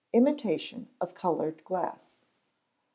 Imitation of Coloured Glass.